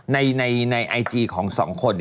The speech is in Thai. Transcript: ในไอจีของสองคน